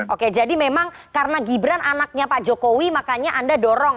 oke jadi memang karena gibran anaknya pak jokowi makanya anda dorong